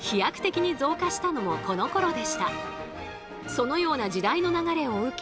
そのような時代の流れを受け